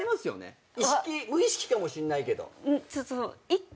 無意識かもしんないけど。